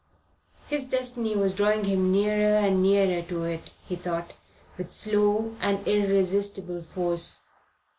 His destiny was drawing him nearer and nearer to it, he thought, with slow and irresistible force.